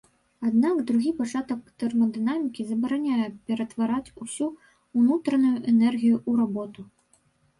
Аднак другі пачатак тэрмадынамікі забараняе ператвараць усю ўнутраную энергію ў работу.